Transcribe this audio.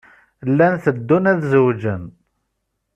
Llan teddun ad zewǧen.